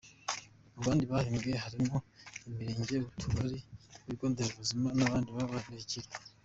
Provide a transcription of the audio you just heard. Mu bandi bahembwe harimo imirirenge, utugari, ibigo nderebuzima n’abandi babaye indashyikirwa .